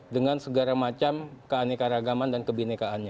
dengan segala macam keanekaragaman dan kebinekaannya